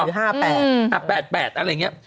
อยู่๕๘อ่ะ๘๘อะไรเงี้ย